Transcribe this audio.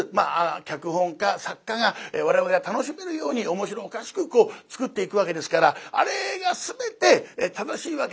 脚本家作家が我々が楽しめるように面白おかしく作っていくわけですからあれが全て正しいわけではない。